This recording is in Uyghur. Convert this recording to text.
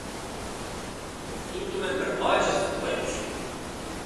چۈنكى مەن بىر ئاجىز بايقۇش ئىدىم.